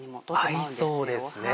合いそうですね。